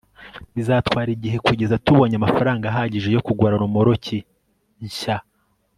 bizatwara igihe kugeza tubonye amafaranga ahagije yo kugura romoruki nshya